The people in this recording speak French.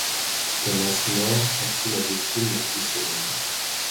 Thomas More en fut la victime la plus célèbre.